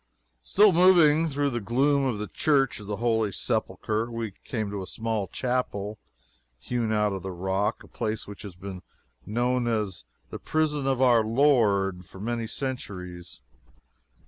Still moving through the gloom of the Church of the Holy Sepulchre we came to a small chapel, hewn out of the rock a place which has been known as "The Prison of Our Lord" for many centuries.